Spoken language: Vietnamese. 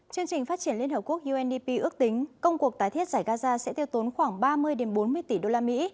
chương trình phát triển liên hợp quốc undp ước tính công cuộc tái thiết giải gaza sẽ tiêu tốn khoảng ba mươi bốn mươi tỷ usd